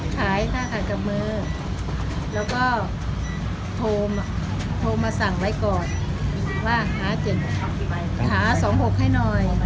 ขายท่าขาดกับมือแล้วก็โทรมาโทรมาสั่งไว้ก่อนว่าหาเจ็ดหาสองหกให้หน่อย